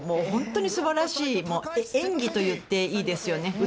本当に素晴らしい演技と言っていいですよね。